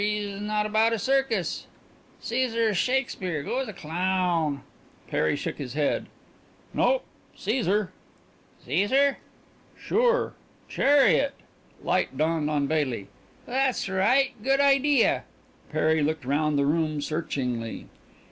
He is not about a circus. Caesar's Shakespeare. Go as a clown." Perry shook his head. "Nope; Caesar." "Caesar?" "Sure. Chariot." Light dawned on Baily. "That's right. Good idea." Perry looked round the room searchingly.